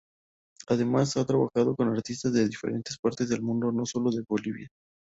Además, ha trabajado con artistas de diferentes partes del mundo, no sólo de Bolivia.